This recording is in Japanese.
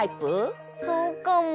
そうかも。